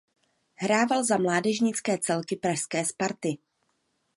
Hrával za mládežnické celky pražské Sparty.